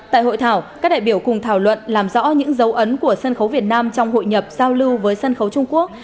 tại hội thảo các đại biểu cùng thảo luận làm rõ những dấu ấn của sân khấu việt nam trong hội nhập giao lưu với sân khấu trung quốc